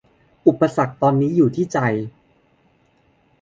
อุปสรรคตอนนี้อยู่ที่ใจ